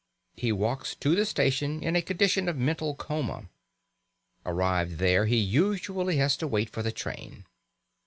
He walks to the station in a condition of mental coma. Arrived there, he usually has to wait for the train.